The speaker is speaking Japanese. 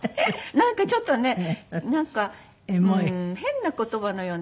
なんかちょっとね変な言葉のような。